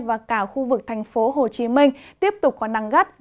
và cả khu vực thành phố hồ chí minh tiếp tục có nắng gắt